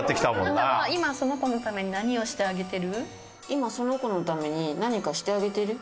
今その子のために何かしてあげてる？